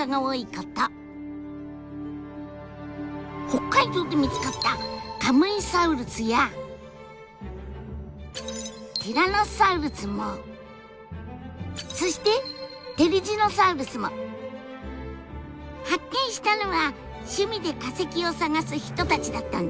北海道で見つかったカムイサウルスやティラノサウルスもそしてテリジノサウルスも発見したのは趣味で化石を探す人たちだったんです。